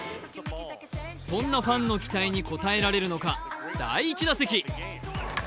そんなファンの期待に応えられるのか、第１打席。